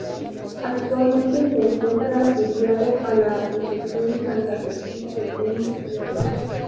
Actualmente se encuentra afiliado a la Asociación Santafesina de Tenis Criollo.